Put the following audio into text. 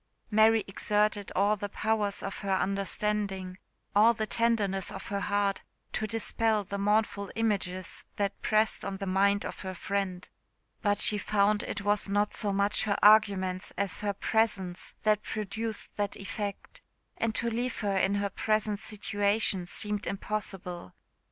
Mary exerted all the powers of her understanding, all the tenderness of her heart, to dispel the mournful images that pressed on the mind of her friend; but she found it was not so much her _arguments _as her presence that produced that effect; and to leave her in her present situation seemed impossible.